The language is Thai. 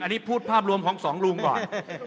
อันนี้พูดภาพรวมของสองลุงก่อน